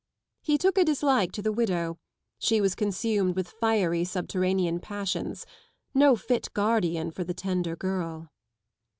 He took a dislike to the widow, she was consumed with fiery subterranean passions, no fit guardian for the tender girl.